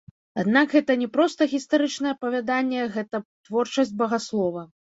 Аднак гэта не проста гістарычнае апавяданне, гэта творчасць багаслова.